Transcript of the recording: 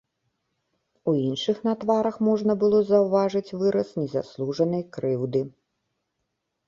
У іншых на тварах можна было заўважыць выраз незаслужанай крыўды.